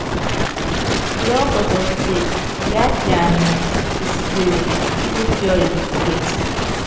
Yiɔ́kɔtɔ kuteke, yiápiana kisikili kíkupíɔ́yɛt pukéci.